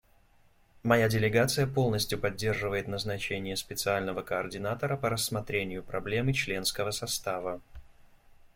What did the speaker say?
Моя делегация полностью поддерживает назначение специального координатора по рассмотрению проблемы членского состава.